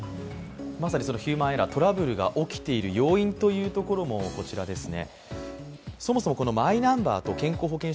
まさにヒューマンエラー、トラブルが起きている要因もこちらですね。